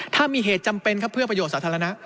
ถ้ามีเหตุจำเป็นครับเพื่อประโยชน์สาธารณะ